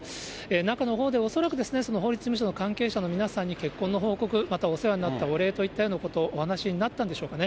中のほうで、恐らくその法律事務所の関係者の皆さんに結婚の報告、またお世話になったお礼といったようなことをお話になったんでしょうかね。